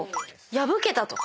破けたとか？